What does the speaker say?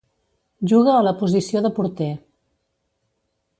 Juga a la posició de porter.